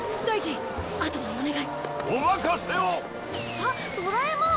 あっドラえもん！